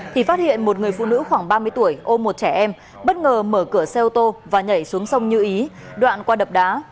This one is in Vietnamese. thì phát hiện một người phụ nữ khoảng ba mươi tuổi ô một trẻ em bất ngờ mở cửa xe ô tô và nhảy xuống sông như ý đoạn qua đập đá